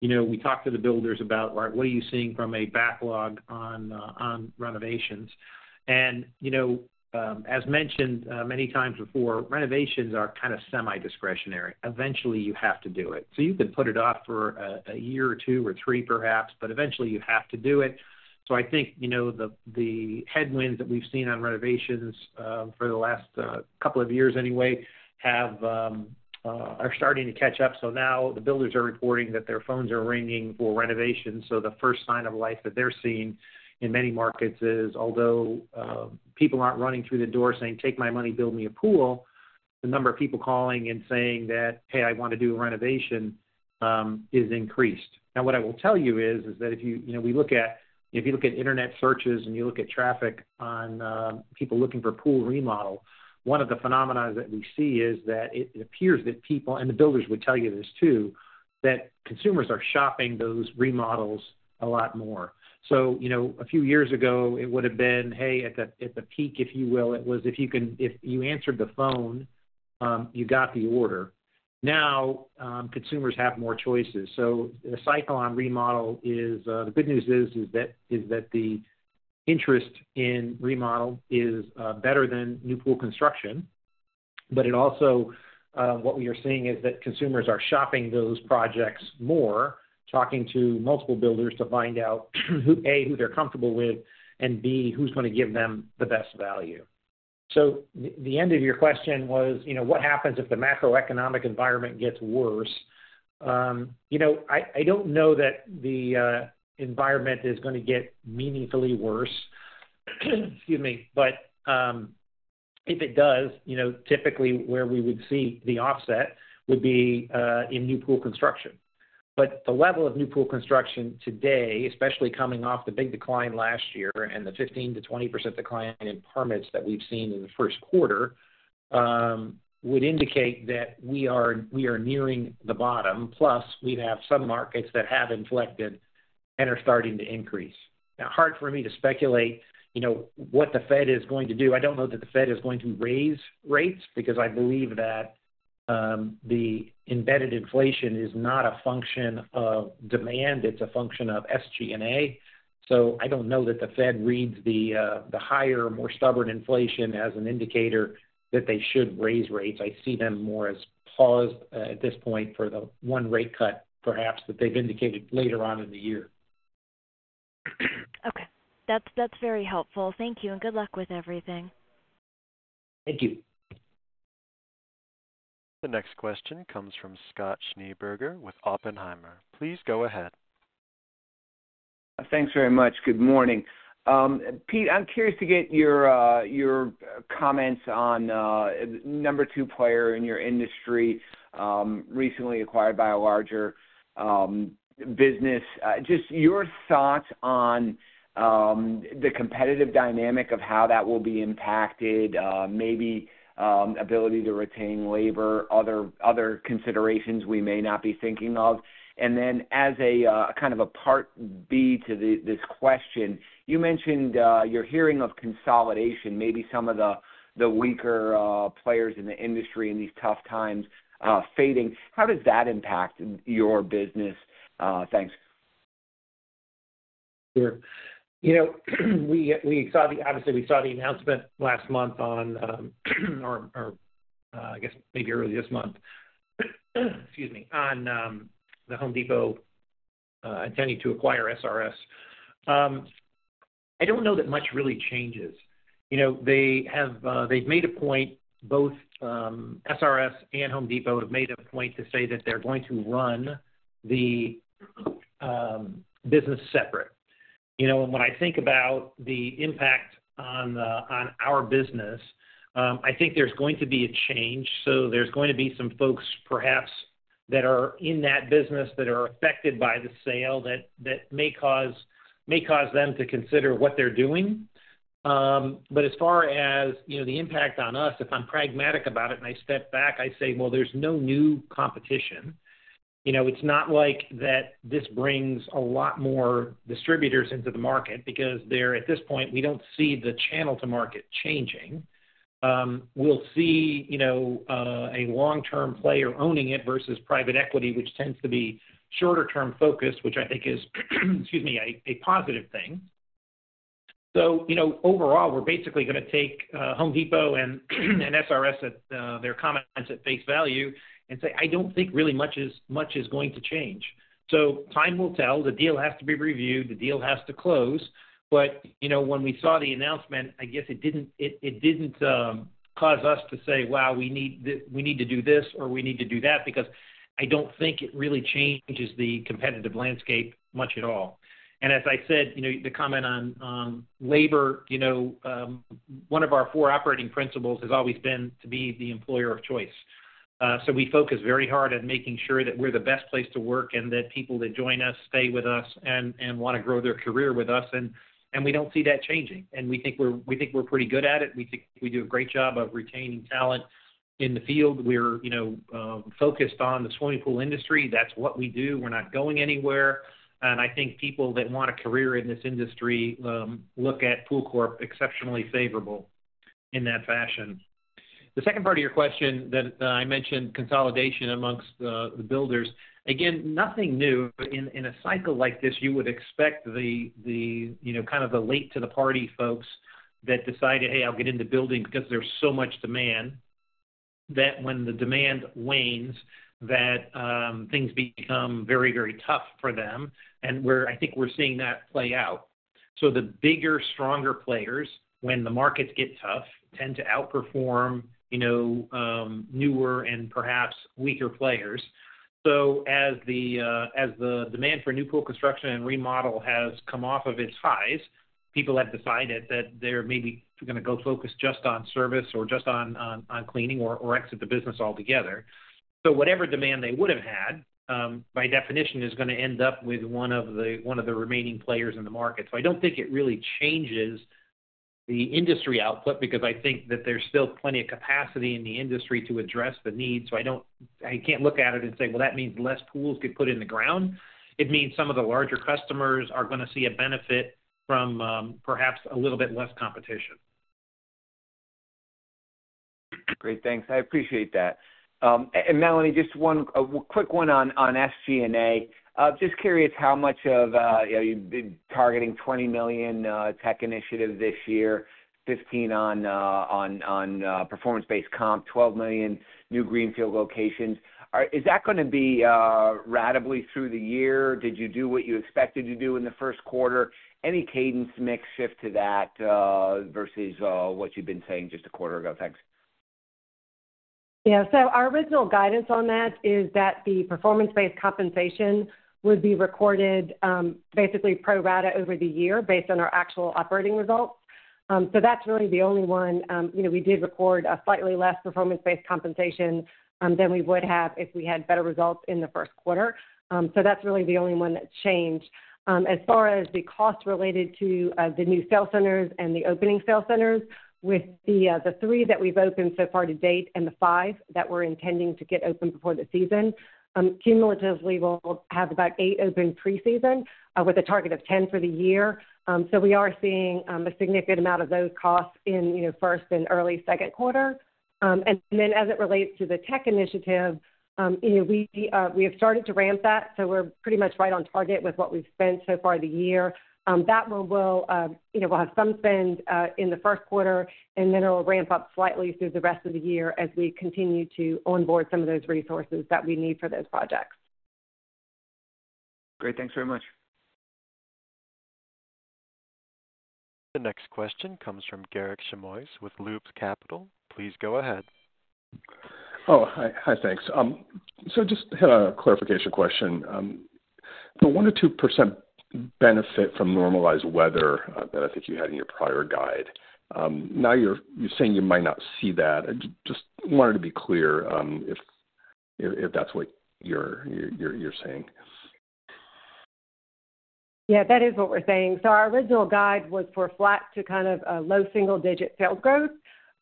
you know, we talk to the builders about, right, what are you seeing from a backlog on renovations? You know, as mentioned many times before, renovations are kind of semi-discretionary. Eventually, you have to do it. So you can put it off for a year or two or three, perhaps, but eventually you have to do it. So I think, you know, the headwinds that we've seen on renovations for the last couple of years anyway are starting to catch up. So now the builders are reporting that their phones are ringing for renovations. So the first sign of life that they're seeing in many markets is, although people aren't running through the door saying, "Take my money, build me a pool," the number of people calling and saying that, "Hey, I want to do a renovation," is increased. Now, what I will tell you is that if you, you know, we look at, if you look at internet searches and you look at traffic on people looking for pool remodel, one of the phenomena that we see is that it appears that people, and the builders would tell you this, too, that consumers are shopping those remodels a lot more. So, you know, a few years ago, it would have been, hey, at the peak, if you will, it was, if you can, if you answered the phone, you got the order. Now, consumers have more choices. So the cycle on remodel is, the good news is that the interest in remodel is better than new pool construction. But it also, what we are seeing is that consumers are shopping those projects more, talking to multiple builders to find out, A, who they're comfortable with, and B, who's going to give them the best value. So the end of your question was, you know, what happens if the macroeconomic environment gets worse? You know, I don't know that the environment is going to get meaningfully worse. Excuse me. But, if it does, you know, typically where we would see the offset would be, in new pool construction. But the level of new pool construction today, especially coming off the big decline last year and the 15%-20% decline in permits that we've seen in the first quarter, would indicate that we are nearing the bottom. Plus, we'd have some markets that have inflected and are starting to increase. Now, hard for me to speculate, you know, what the Fed is going to do. I don't know that the Fed is going to raise rates because I believe that, the embedded inflation is not a function of demand, it's a function of SG&A. So I don't know that the Fed reads the higher, more stubborn inflation as an indicator that they should raise rates. I see them more as paused, at this point for the one rate cut, perhaps, that they've indicated later on in the year. Okay. That's, that's very helpful. Thank you, and good luck with everything. Thank you. The next question comes from Scott Schneeberger with Oppenheimer. Please go ahead. Thanks very much. Good morning. Pete, I'm curious to get your comments on number two player in your industry recently acquired by a larger business. Just your thoughts on the competitive dynamic of how that will be impacted, maybe ability to retain labor, other considerations we may not be thinking of. And then as a kind of a part B to this question, you mentioned you're hearing of consolidation, maybe some of the weaker players in the industry in these tough times fading. How does that impact your business? Thanks. Sure. You know, we saw the announcement last month or early this month, excuse me, on The Home Depot intending to acquire SRS. I don't know that much really changes. You know, they've made a point, both SRS and Home Depot have made a point to say that they're going to run the business separate. You know, and when I think about the impact on our business, I think there's going to be a change. So there's going to be some folks, perhaps, that are in that business that are affected by the sale, that may cause them to consider what they're doing. But as far as, you know, the impact on us, if I'm pragmatic about it and I step back, I say, "Well, there's no new competition." You know, it's not like that this brings a lot more distributors into the market because they're at this point, we don't see the channel to market changing. We'll see, you know, a long-term player owning it versus private equity, which tends to be shorter term focused, which I think is, excuse me, a positive thing. So, you know, overall, we're basically gonna take, Home Depot and SRS at, their comments at face value and say, "I don't think really much is, much is going to change." So time will tell. The deal has to be reviewed, the deal has to close. But, you know, when we saw the announcement, I guess it didn't cause us to say, "Wow, we need to do this, or we need to do that," because I don't think it really changes the competitive landscape much at all. And as I said, you know, the comment on labor, you know, one of our four operating principles has always been to be the employer of choice. So we focus very hard on making sure that we're the best place to work, and that people that join us stay with us and wanna grow their career with us, and we don't see that changing. And we think we're pretty good at it. We think we do a great job of retaining talent in the field. We're, you know, focused on the swimming pool industry. That's what we do. We're not going anywhere. And I think people that want a career in this industry, look at PoolCorp exceptionally favorable in that fashion. The second part of your question that I mentioned, consolidation amongst the builders. Again, nothing new. In a cycle like this, you would expect the you know, kind of the late to the party folks that decided, "Hey, I'll get into building," because there's so much demand, that when the demand wins, that things become very, very tough for them. And we're, I think we're seeing that play out. So the bigger, stronger players, when the markets get tough, tend to outperform, you know, newer and perhaps weaker players. So as the demand for new pool construction and remodel has come off of its highs, people have decided that they're maybe gonna go focus just on service or just on cleaning or exit the business altogether. So whatever demand they would have had, by definition, is gonna end up with one of the remaining players in the market. So I don't think it really changes the industry output, because I think that there's still plenty of capacity in the industry to address the needs. So I don't... I can't look at it and say, "Well, that means less pools get put in the ground." It means some of the larger customers are gonna see a benefit from perhaps a little bit less competition. Great, thanks. I appreciate that. And Melanie, just one, a quick one on SG&A. Just curious how much of, you know, you've been targeting $20 million tech initiatives this year, $15 million on performance-based comp, $12 million new greenfield locations. Is that gonna be ratably through the year? Did you do what you expected to do in the first quarter? Any cadence mix shift to that versus what you've been saying just a quarter ago? Thanks. Yeah. So our original guidance on that is that the performance-based compensation would be recorded, basically pro rata over the year, based on our actual operating results. So that's really the only one. You know, we did record a slightly less performance-based compensation, than we would have if we had better results in the first quarter. So that's really the only one that's changed. As far as the cost related to, the new sales centers and the opening sales centers, with the, the three that we've opened so far to date and the five that we're intending to get open before the season, cumulatively, we'll have about eight open preseason, with a target of 10 for the year. So we are seeing, a significant amount of those costs in, you know, first and early second quarter. And then as it relates to the tech initiative, you know, we have started to ramp that, so we're pretty much right on target with what we've spent so far the year. That one will, you know, we'll have some spend in the first quarter, and then it'll ramp up slightly through the rest of the year as we continue to onboard some of those resources that we need for those projects. Great. Thanks very much. The next question comes from Garik Shmois with Loop Capital. Please go ahead. Oh, hi. Hi, thanks. So just had a clarification question. The 1%-2% benefit from normalized weather, that I think you had in your prior guide, now you're saying you might not see that. I just wanted to be clear, if that's what you're saying. Yeah, that is what we're saying. So our original guide was for flat to kind of low single digit sales growth.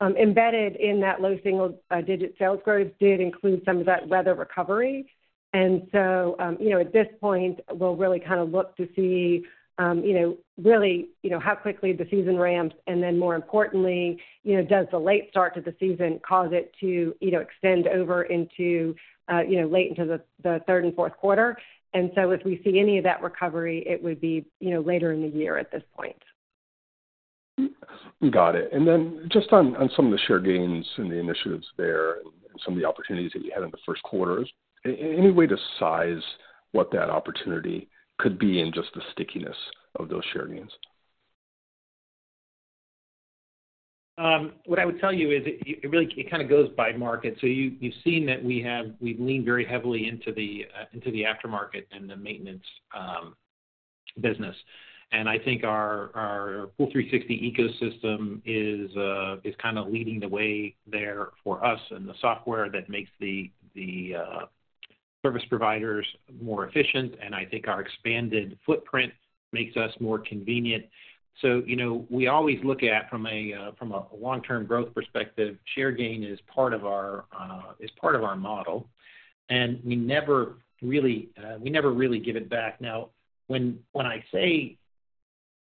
Embedded in that low single digit sales growth did include some of that weather recovery. And so, you know, at this point, we'll really kind of look to see, you know, really, you know, how quickly the season ramps, and then more importantly, you know, does the late start to the season cause it to, you know, extend over into, you know, late into the third and fourth quarter? And so if we see any of that recovery, it would be, you know, later in the year at this point. Got it. And then just on some of the share gains and the initiatives there, and some of the opportunities that you had in the first quarter, any way to size what that opportunity could be and just the stickiness of those share gains? What I would tell you is it really kind of goes by market. So you've seen that we've leaned very heavily into the aftermarket and the maintenance business. And I think our Pool360 ecosystem is kind of leading the way there for us, and the software that makes the service providers more efficient, and I think our expanded footprint makes us more convenient. So, you know, we always look at from a long-term growth perspective, share gain is part of our model, and we never really give it back. Now, when I say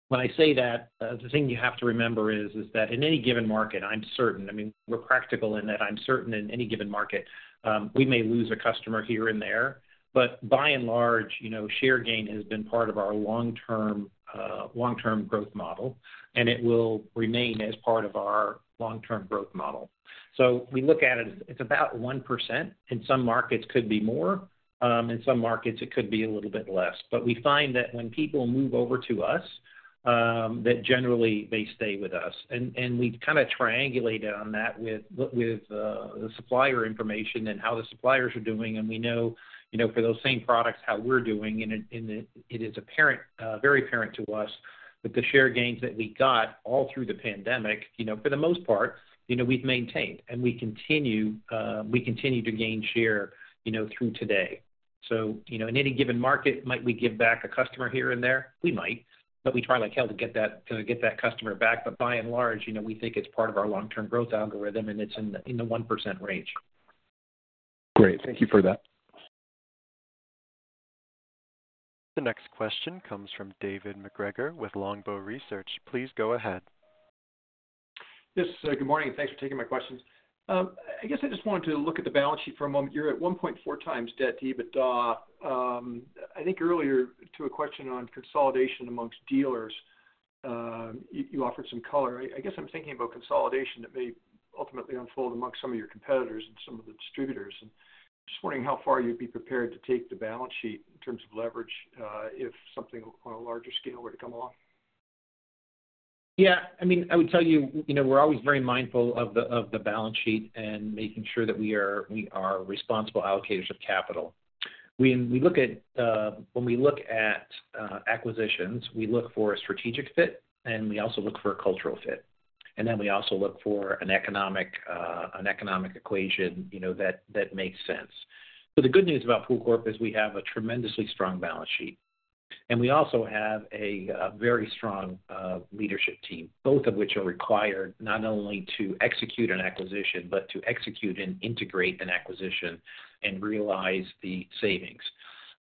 that, the thing you have to remember is that in any given market, I mean, we're practical in that we're certain in any given market, we may lose a customer here and there, but by and large, you know, share gain has been part of our long-term growth model, and it will remain as part of our long-term growth model. So we look at it, it's about 1%, in some markets could be more, in some markets it could be a little bit less. But we find that when people move over to us, that generally they stay with us. And we kind of triangulate on that with the supplier information and how the suppliers are doing. And we know, you know, for those same products, how we're doing, and it is apparent, very apparent to us that the share gains that we got all through the pandemic, you know, for the most part, you know, we've maintained. And we continue to gain share, you know, through today. So, you know, in any given market, might we give back a customer here and there? We might, but we try like hell to get that customer back. But by and large, you know, we think it's part of our long-term growth algorithm, and it's in the 1% range. Great. Thank you for that. The next question comes from David MacGregor with Longbow Research. Please go ahead. Yes, good morning, and thanks for taking my questions. I guess I just wanted to look at the balance sheet for a moment. You're at 1.4x debt to EBITDA. I think earlier, to a question on consolidation amongst dealers, you, you offered some color. I, I guess I'm thinking about consolidation that may ultimately unfold amongst some of your competitors and some of the distributors. Just wondering how far you'd be prepared to take the balance sheet in terms of leverage, if something on a larger scale were to come along? Yeah, I mean, I would tell you, you know, we're always very mindful of the, of the balance sheet and making sure that we are, we are responsible allocators of capital. We, we look at, when we look at, acquisitions, we look for a strategic fit, and we also look for a cultural fit. And then we also look for an economic, an economic equation, you know, that, that makes sense. But the good news about PoolCorp is we have a tremendously strong balance sheet, and we also have a, very strong, leadership team, both of which are required not only to execute an acquisition, but to execute and integrate an acquisition and realize the savings.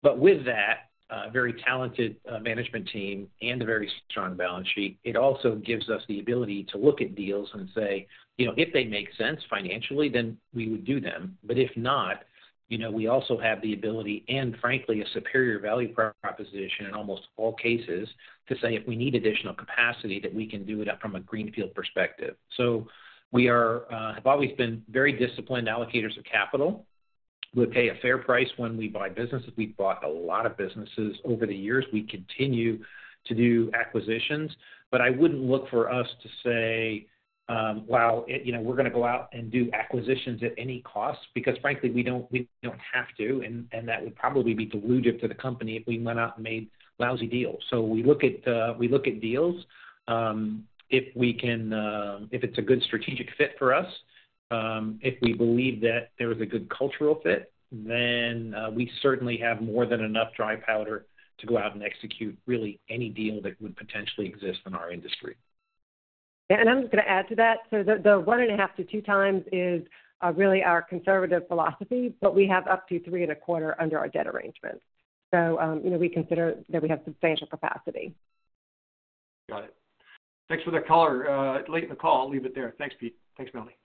But with that, very talented, management team and a very strong balance sheet, it also gives us the ability to look at deals and say, you know, if they make sense financially, then we would do them. But if not, you know, we also have the ability and frankly, a superior value proposition in almost all cases, to say, if we need additional capacity, that we can do it from a greenfield perspective. So we are, have always been very disciplined allocators of capital. We pay a fair price when we buy businesses. We've bought a lot of businesses over the years. We continue to do acquisitions, but I wouldn't look for us to say, wow, you know, we're going to go out and do acquisitions at any cost, because frankly, we don't have to, and that would probably be dilutive to the company if we went out and made lousy deals. So we look at deals, if we can, if it's a good strategic fit for us, if we believe that there is a good cultural fit, then we certainly have more than enough dry powder to go out and execute really any deal that would potentially exist in our industry. I'm just going to add to that. So the one and a half to two times is really our conservative philosophy, but we have up to three and a quarter under our debt arrangement. So, you know, we consider that we have substantial capacity. Got it. Thanks for the color, late in the call. I'll leave it there. Thanks, Pete. Thanks, Melanie.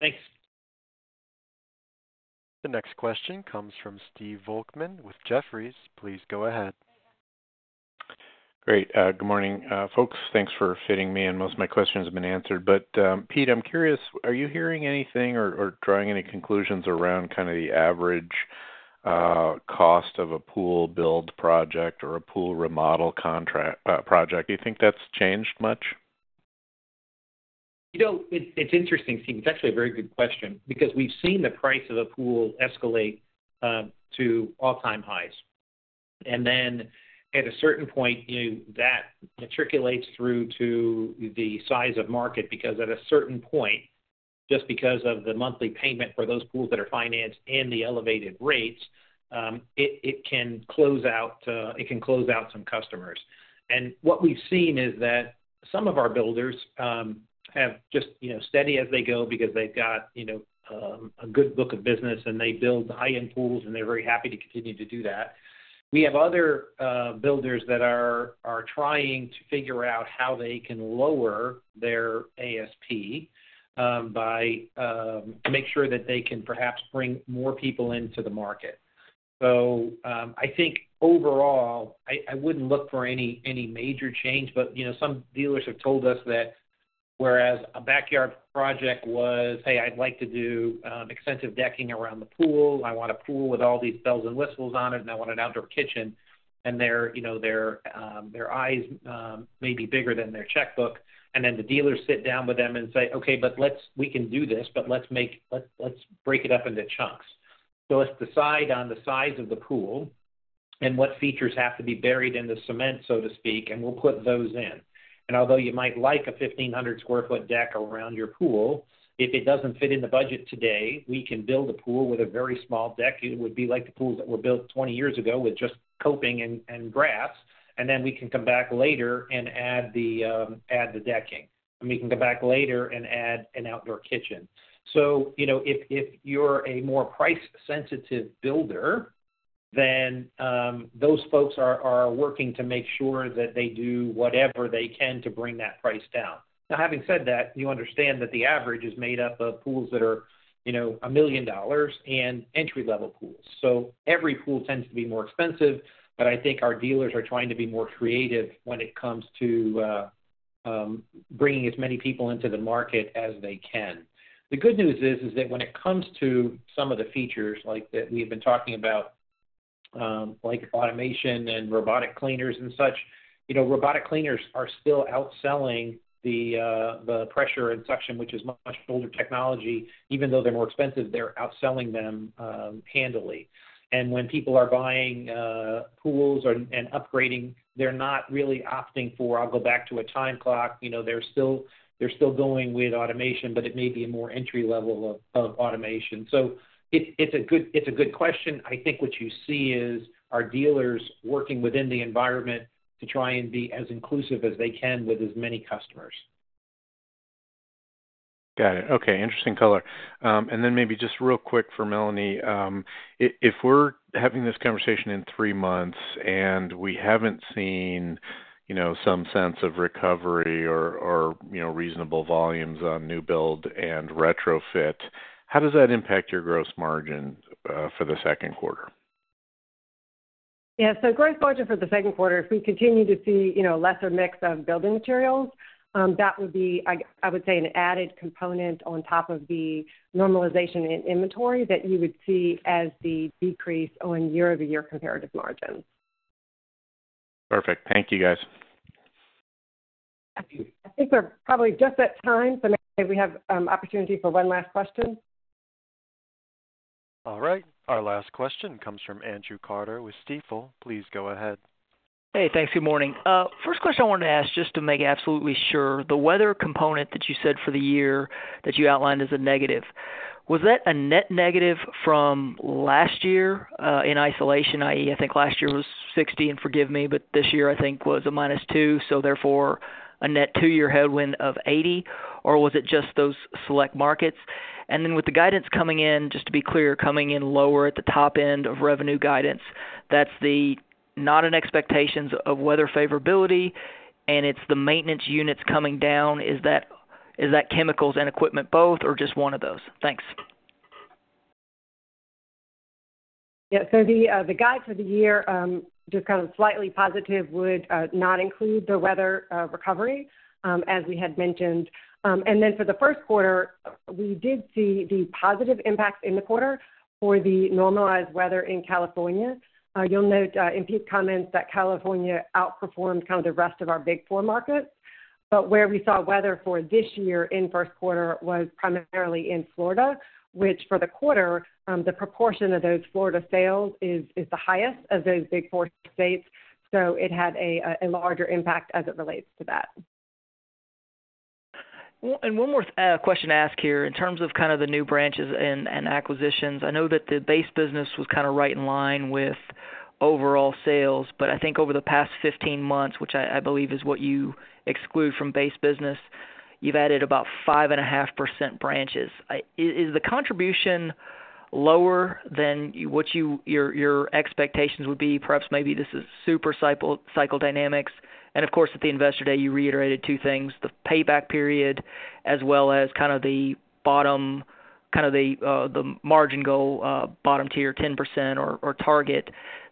Thanks. The next question comes from Steve Volkmann with Jefferies. Please go ahead. Great. Good morning, folks. Thanks for fitting me in. Most of my questions have been answered. But, Pete, I'm curious, are you hearing anything or drawing any conclusions around kind of the average cost of a pool build project or a pool remodel contract, project? Do you think that's changed much? You know, it's interesting, Steve. It's actually a very good question, because we've seen the price of a pool escalate to all-time highs. And then at a certain point, you know, that matriculates through to the size of market, because at a certain point, just because of the monthly payment for those pools that are financed and the elevated rates, it can close out some customers. And what we've seen is that some of our builders have just, you know, steady as they go because they've got, you know, a good book of business, and they build high-end pools, and they're very happy to continue to do that. We have other builders that are trying to figure out how they can lower their ASP by... To make sure that they can perhaps bring more people into the market.... So, I think overall, I wouldn't look for any major change. But, you know, some dealers have told us that whereas a backyard project was, "Hey, I'd like to do extensive decking around the pool. I want a pool with all these bells and whistles on it, and I want an outdoor kitchen." And their, you know, their eyes may be bigger than their checkbook, and then the dealers sit down with them and say, "Okay, but let's we can do this, but let's make let's break it up into chunks. So let's decide on the size of the pool and what features have to be buried in the cement, so to speak, and we'll put those in. Although you might like a 1,500 sq ft deck around your pool, if it doesn't fit in the budget today, we can build a pool with a very small deck. It would be like the pools that were built 20 years ago with just coping and grass. And then we can come back later and add the decking. And we can come back later and add an outdoor kitchen. So, you know, if you're a more price-sensitive builder, then those folks are working to make sure that they do whatever they can to bring that price down. Now, having said that, you understand that the average is made up of pools that are, you know, $1 million and entry-level pools. So every pool tends to be more expensive, but I think our dealers are trying to be more creative when it comes to bringing as many people into the market as they can. The good news is that when it comes to some of the features like that, we've been talking about, like automation and robotic cleaners and such, you know, robotic cleaners are still outselling the pressure and suction, which is much older technology. Even though they're more expensive, they're outselling them handily. And when people are buying pools and upgrading, they're not really opting for, I'll go back to a time clock. You know, they're still going with automation, but it may be a more entry-level of automation. So it's a good question. I think what you see is our dealers working within the environment to try and be as inclusive as they can with as many customers. Got it. Okay, interesting color. And then maybe just real quick for Melanie. If we're having this conversation in three months, and we haven't seen, you know, some sense of recovery or you know, reasonable volumes on new build and retrofit, how does that impact your gross margin for the second quarter? Yeah, so gross margin for the second quarter, if we continue to see, you know, lesser mix of building materials, that would be, I would say, an added component on top of the normalization in inventory that you would see as the decrease on year-over-year comparative margins. Perfect. Thank you, guys. I think we're probably just at time, so maybe we have opportunity for one last question. All right, our last question comes from Andrew Carter with Stifel. Please go ahead. Hey, thanks. Good morning. First question I wanted to ask, just to make absolutely sure, the weather component that you said for the year that you outlined is a negative. Was that a net negative from last year, in isolation? i.e., I think last year was 60, and forgive me, but this year, I think, was a -2, so therefore a net two-year headwind of 80. Or was it just those select markets? And then with the guidance coming in, just to be clear, coming in lower at the top end of revenue guidance, that's the not in expectations of weather favorability, and it's the maintenance units coming down. Is that chemicals and equipment both, or just one of those? Thanks. Yeah, so the guide for the year just kind of slightly positive would not include the weather recovery as we had mentioned. And then for the first quarter, we did see the positive impacts in the quarter for the normalized weather in California. You'll note in Pete's comments that California outperformed kind of the rest of our big four markets. But where we saw weather for this year in first quarter was primarily in Florida, which for the quarter the proportion of those Florida sales is the highest of those big four states, so it had a larger impact as it relates to that. Well, and one more question to ask here. In terms of kind of the new branches and acquisitions, I know that the base business was kind of right in line with overall sales, but I think over the past 15 months, which I believe is what you exclude from base business, you've added about 5.5% branches. Is the contribution lower than what your expectations would be? Perhaps maybe this is super cycle dynamics. And of course, at the Investor Day, you reiterated two things, the payback period, as well as kind of the bottom kind of the margin goal, bottom tier, 10% or target.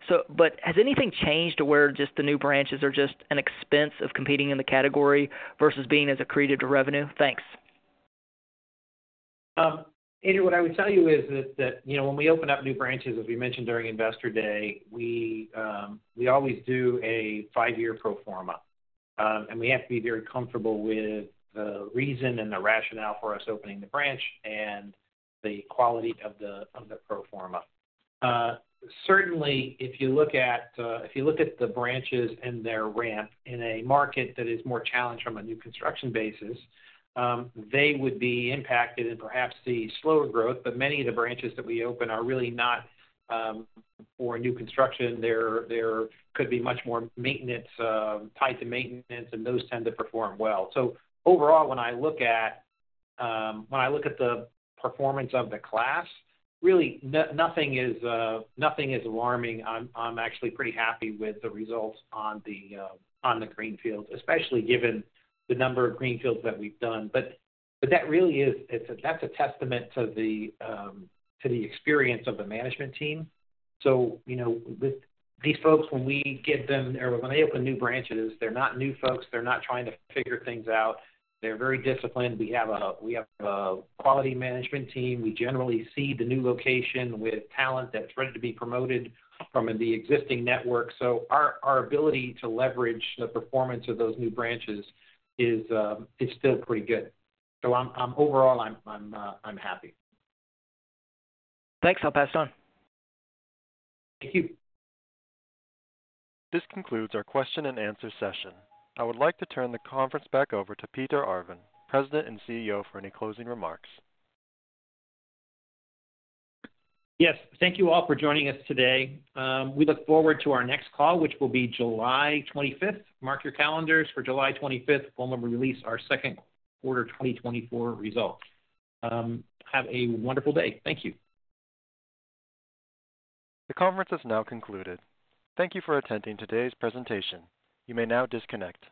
So but has anything changed to where just the new branches are just an expense of competing in the category versus being as accretive to revenue? Thanks. Andrew, what I would tell you is that, that, you know, when we open up new branches, as we mentioned during Investor Day, we, we always do a five-year pro forma. And we have to be very comfortable with the reason and the rationale for us opening the branch and the quality of the pro forma. Certainly, if you look at, if you look at the branches and their ramp in a market that is more challenged from a new construction basis, they would be impacted and perhaps see slower growth. But many of the branches that we open are really not for new construction. There could be much more maintenance tied to maintenance, and those tend to perform well. So overall, when I look at the performance of the class, really, nothing is alarming. I'm actually pretty happy with the results on the greenfields, especially given the number of greenfields that we've done. But that really is a testament to the experience of the management team. So you know, with these folks, when we get them or when they open new branches, they're not new folks. They're not trying to figure things out. They're very disciplined. We have a quality management team. We generally see the new location with talent that's ready to be promoted from the existing network. So our ability to leverage the performance of those new branches is still pretty good. So overall, I'm happy. Thanks. I'll pass it on. Thank you. This concludes our question and answer session. I would like to turn the conference back over to Pete Arvan, President and CEO, for any closing remarks. Yes. Thank you all for joining us today. We look forward to our next call, which will be July 25th. Mark your calendars for July 25th, when we'll release our second quarter 2024 results. Have a wonderful day. Thank you. The conference has now concluded. Thank you for attending today's presentation. You may now disconnect.